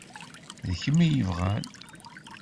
D kemm i yebɣan.